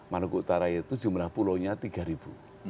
maluku utara itu jumlah pulau nya tiga ribu